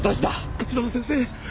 立花先生